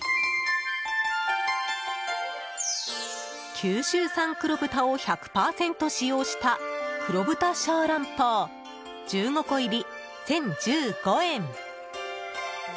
九州産黒豚を１００％使用した黒豚小籠包１５個入り１０１５円。